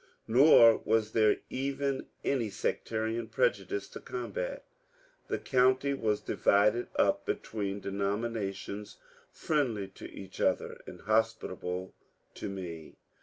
Nor was there even any sectarian prejudice to combat ; the county was divided up between denominations friendly to each other and hospitable to me.